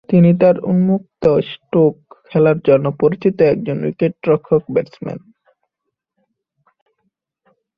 তিনি তার উন্মুক্ত স্ট্রোক খেলার জন্য পরিচিত একজন উইকেটরক্ষক-ব্যাটসম্যান।